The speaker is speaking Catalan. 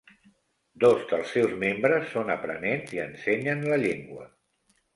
Dos dels seus membres són aprenents i ensenyen la llengua.